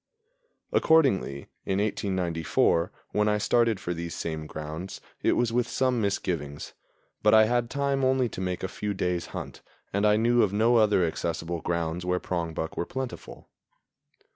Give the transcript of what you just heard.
Accordingly, in 1894, when I started for these same grounds, it was with some misgivings; but I had time only to make a few days' hunt, and I knew of no other accessible grounds where prongbuck were plentiful.